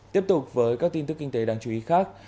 tiếp tục với các tin tức kinh tế đáng chú ý khác